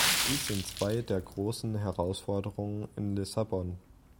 Dies sind zwei der großen Herausforderungen in Lissabon.